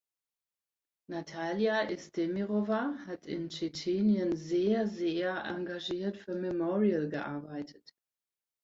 Natalia Estemirova hat in Tschetschenien sehr, sehr engagiert für Memorial gearbeitet.